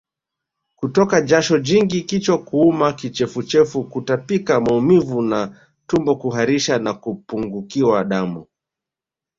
Kutoka jasho jingi kichwa kuuma Kichefuchefu Kutapika Maumivu ya tumboKuharisha na kupungukiwa damu